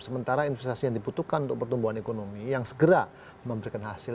sementara investasi yang dibutuhkan untuk pertumbuhan ekonomi yang segera memberikan hasil